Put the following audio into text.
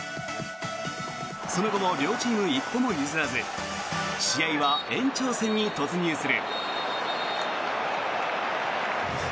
その後も両チーム一歩も譲らず試合は延長戦に突入する。